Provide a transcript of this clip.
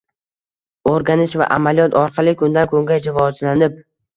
O’rganish va amaliyot orqali kundan-kunga rivojlanib